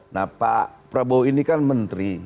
nah pak prabowo ini kan menteri